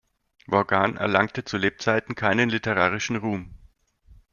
Vaughan erlangte zu Lebzeiten keinen literarischen Ruhm.